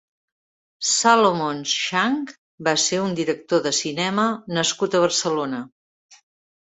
Salomón Shang va ser un director de cinema nascut a Barcelona.